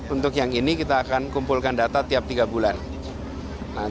untuk yang ini kita akan kumpulkan data tiap tiga bulan